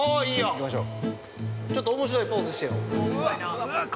◆行きましょう。